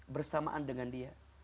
bersamaan dengan dia